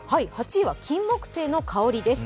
８位は金木犀の香りです。